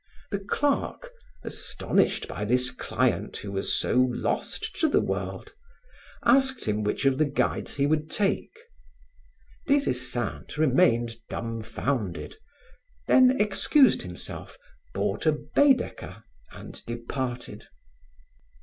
The clerk, astonished by this client who was so lost to the world, asked him which of the guides he would take. Des Esseintes remained dumbfounded, then excused himself, bought a Baedeker and departed.